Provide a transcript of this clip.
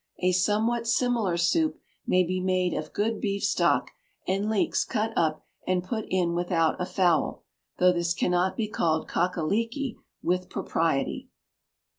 A somewhat similar soup may be made of good beef stock, and leeks cut up and put in without a fowl, though this cannot be called Cock a Leekie with propriety.